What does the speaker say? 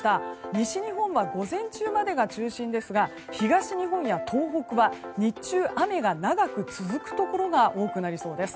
西日本は午前中までが中心ですが東日本や東北は日中、雨が長く続くところが多くなりそうです。